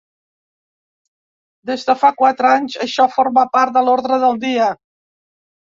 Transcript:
Des de fa quatre anys, això forma part de l’ordre del dia.